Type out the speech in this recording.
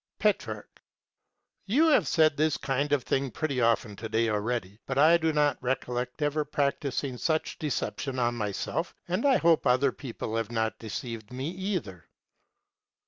Petrarch. You have said this kind of thing pretty often to day already. But I do not recollect ever practising such deception on myself; and I hope other people have not deceived me either.